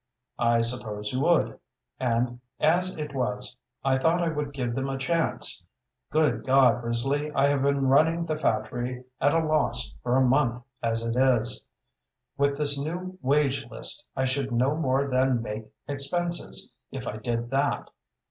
"I suppose you would; and as it was?" "As it was, I thought I would give them a chance. Good God, Risley, I have been running the factory at a loss for a month as it is. With this new wage list I should no more than make expenses, if I did that.